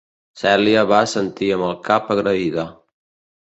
Celia va assentir amb el cap agraïda.